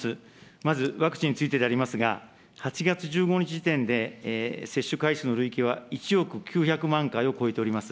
まず、ワクチンについてでありますが、８月１５日時点で接種回数の累計は１億９００万回を超えております。